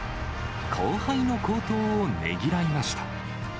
後輩の好投をねぎらいました。